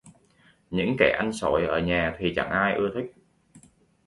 Những kẻ ăn xổi ở thì chẳng ai ưa thích